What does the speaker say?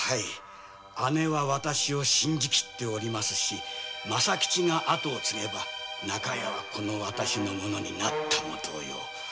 姉は私を信じ切っておりますし政吉が跡を継げば中屋は私のものになったも同様。